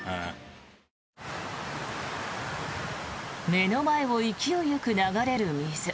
目の前を勢いよく流れる水。